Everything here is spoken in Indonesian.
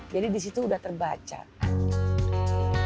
jadi di situ sudah terbaca